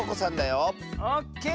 オッケー！